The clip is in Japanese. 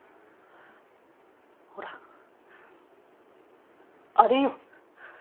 ほらあれよ。